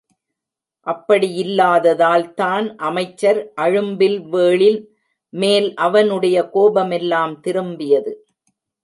அப்படியில்லாததால்தான் அமைச்சர் அழும்பில்வேளின் மேல் அவனுடைய கோபமெல்லாம் திரும்பியது.